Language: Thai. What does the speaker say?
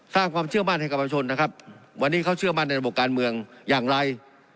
สร้างความเชื่อมั่นให้กับประชนนะครับวันนี้เขาเชื่อมั่นในระบบการเมืองอย่างไร